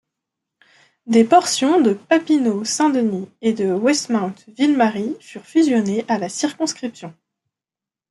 Des portions de Papineau—Saint-Denis et de Westmount-Ville-Marie furent fusionnées à la circonscription.